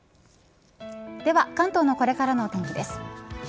では関東のこれからのお天気です。